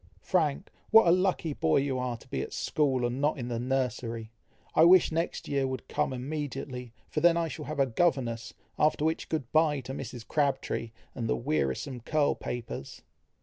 "Frank! what a lucky boy you are to be at school, and not in the nursery! I wish next year would come immediately, for then I shall have a governess, after which good bye to Mrs. Crabtree, and the wearisome curl papers."